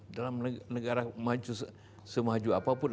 dalam negara maju semaju apapun